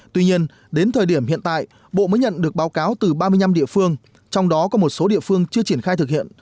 tuy nhiên đến thời điểm hiện tại bộ mới nhận được báo cáo từ ba mươi năm địa phương trong đó có một số địa phương chưa triển khai thực hiện